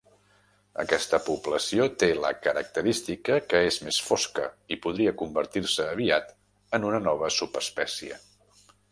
Aquesta població té la característica que és més fosca i podria convertir-se aviat en una nova subespècie.